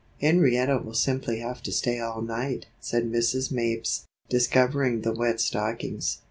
"Henrietta will simply have to stay all night," said Mrs. Mapes, discovering the wet stockings.